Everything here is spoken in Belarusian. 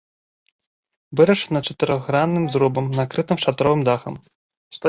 Вырашана чатырохгранным зрубам, накрытым шатровым дахам.